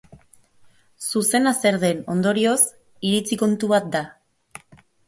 Zuzena zer den, ondorioz, iritzi kontu bat da.